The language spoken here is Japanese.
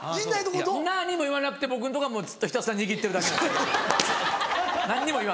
「なに？」も言わなくて僕のとこはもうずっとひたすら握ってるだけです何にも言わんと。